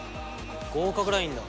合格ラインだ。